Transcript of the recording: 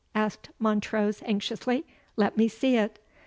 said Montrose, anxiously; "let me see it.